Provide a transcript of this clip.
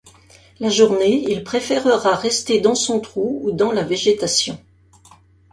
La journée il préfèrera rester dans son trou ou dans la végétation.